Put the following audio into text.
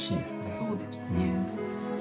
そうですね。